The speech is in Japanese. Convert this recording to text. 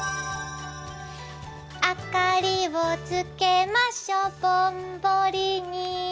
明かりをつけましょぼんぼりに。